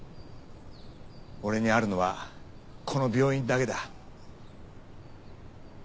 俺にあるのはこの病院だけだ。